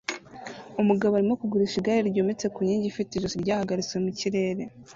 Umugabo arimo kugurisha igare ryometse ku nkingi ifite ijosi ryahagaritswe mu kirere